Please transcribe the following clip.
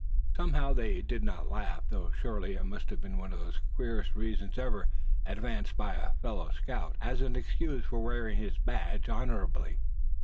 Somehow, they did not laugh, though surely it must have been one of the queerest reasons ever advanced by a fellow scout, as an excuse for wearing his badge honorably.